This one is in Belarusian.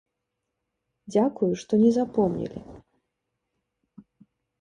Дзякую, што не запомнілі.